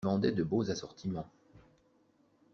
Ils vendaient de beaux assortiments.